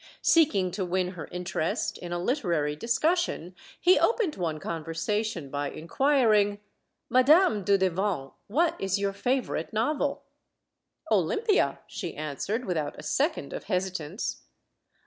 Seeking to win her interest, in a literary dicussion, he opened one con versation by inquiring: "Madame Dudevant, what is your favorite novel? "Olympia,' she answered, without a second of hesitance.